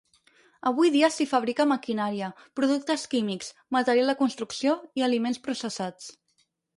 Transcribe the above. Avui dia s'hi fabrica maquinària, productes químics, material de construcció i aliments processats.